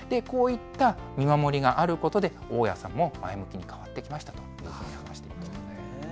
こういった見守りがあることで、大家さんも前向きに変わってきましたと話しているんですよね。